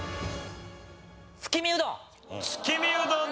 月見うどん